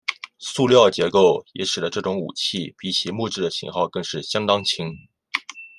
塑料结构也使得这种武器比起木制的型号更是相当轻。